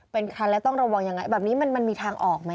เป็นคันแล้วต้องระวังยังไงแบบนี้มันมีทางออกไหม